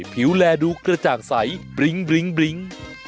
ผิวแลดูกระจ่างใสบริ้งบริ้ง